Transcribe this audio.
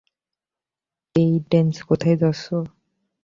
Cadence, কোথায় যাচ্ছো?